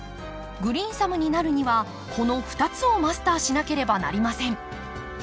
グリーンサムになるにはこの２つをマスターしなければなりません。